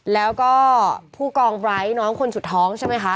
แล้วก็ผู้กองไร้น้องคนสุดท้องใช่ไหมคะ